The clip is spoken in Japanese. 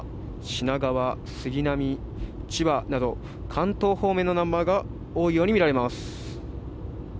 品川、杉並、千葉など関東方面のナンバーが多いように見られます。